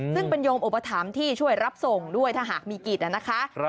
ซึ่งเป็นโยมอุปถัมภ์ที่ช่วยรับส่งด้วยถ้าหากมีกิจนะคะ